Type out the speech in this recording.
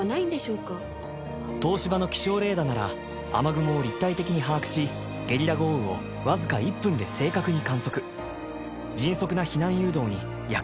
東芝の気象レーダなら雨雲を立体的に把握しゲリラ豪雨をわずか１分で正確に観測迅速な避難誘導に役立てていきます